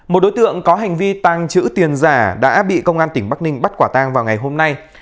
một đối tượng có hành vi tăng chữ tiền giả đã bị công an tỉnh bắc ninh bắt quả tăng vào ngày hôm nay